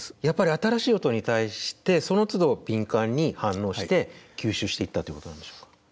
やっぱり新しい音に対してそのつど敏感に反応して吸収していったということなんでしょうか？